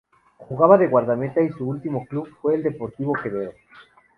Jugaba de guardameta y su ultimo club fue el Deportivo Quevedo.